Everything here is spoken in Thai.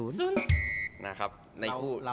เราไปส่วนตัวหรือเปล่า